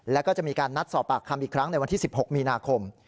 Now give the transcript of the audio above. แล้วก็จะมีการนัดสอบปากคำอีกครั้งในวันที่๑๖มีนาคม